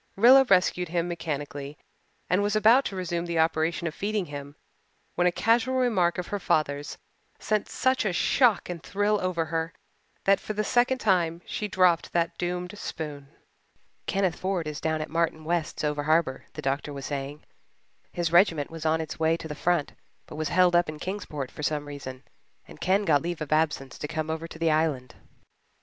Rilla rescued him mechanically and was about to resume the operation of feeding him when a casual remark of her father's sent such a shock and thrill over her that for the second time she dropped that doomed spoon. "Kenneth Ford is down at Martin West's over harbour," the doctor was saying. "His regiment was on its way to the front but was held up in Kingsport for some reason, and Ken got leave of absence to come over to the Island."